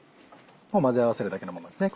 混ぜ合わせるだけのものですね。